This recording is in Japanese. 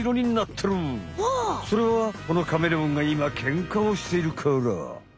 それはこのカメレオンがいまケンカをしているから。